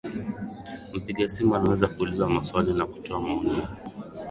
mpiga simu anaweza kuuliza maswali na kutoa maoni yake